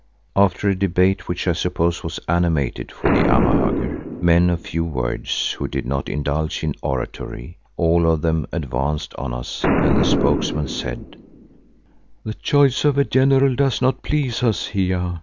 After a debate which I suppose was animated for the Amahagger, men of few words who did not indulge in oratory, all of them advanced on us and the spokesman said, "The choice of a General does not please us, Hiya.